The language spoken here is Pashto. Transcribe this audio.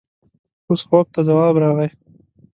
اوس خوب ته ځواب راغی.